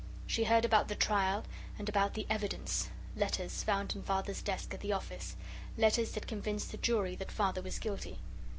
She heard about the trial, and about the evidence letters, found in Father's desk at the office, letters that convinced the jury that Father was guilty.